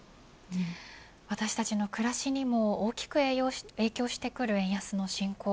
私たちの暮らしにも大きく影響してくる円安の進行